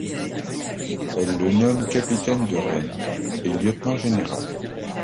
Elle le nomme capitaine de Rennes et lieutenant général.